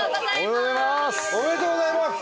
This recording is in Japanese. おめでとうございます！